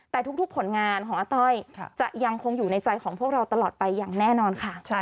แต่ทุกผลงานของอาต้อยจะยังคงอยู่ในใจของพวกเราตลอดไปอย่างแน่นอนค่ะ